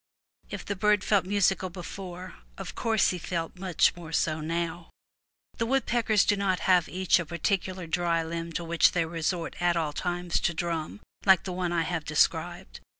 If the bird felt musical before, of course he felt much more so now. The woodpeckers do not each have a particular dry limb to which they resort at all times to drum, like the one I have de scribed.